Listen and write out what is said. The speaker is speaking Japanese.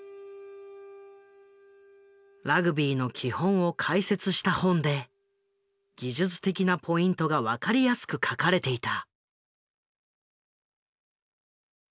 ラグビーの基本を解説した本で技術的なポイントが分かりやすく書かれていた。